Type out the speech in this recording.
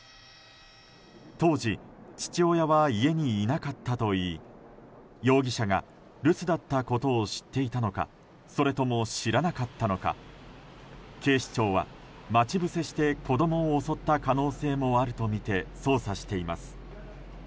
当時、父親は家にいなかったといい容疑者が留守だったことを知っていたのかそれとも知らなかったのか警視庁は、待ち伏せして子供を襲った可能性もあるとみて捜査しています。